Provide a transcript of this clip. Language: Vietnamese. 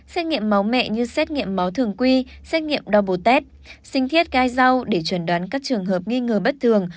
xét nghiệm máu mẹ như xét nghiệm máu thường quy xét nghiệm đo bồ tét sinh thiết gai rau để chấn đoán các trường hợp nghi ngờ bất thường